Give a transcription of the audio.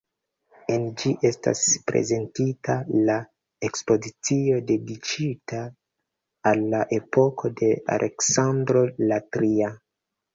En ĝi estas prezentita la ekspozicio, dediĉita al la epoko de Aleksandro la Tria.